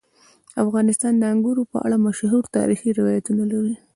افغانستان د انګورو په اړه مشهور تاریخي روایتونه لري.